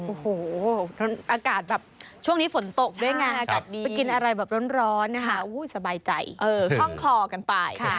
โอ้โหอากาศแบบช่วงนี้ฝนตกด้วยไงอากาศดีไปกินอะไรแบบร้อนนะคะสบายใจคล่องคลอกันไป